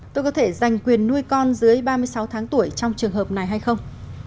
tôi có thể giành quyền nuôi con dưới ba mươi sáu tháng tuổi trong trường hợp này hay không